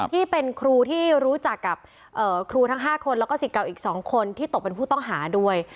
ที่เป็นครูที่รู้จักกับครูทั้ง๕คนแล้วก็สิทธิ์เก่าอีก๒คนที่ตกเป็นผู้ต้องหาด้วย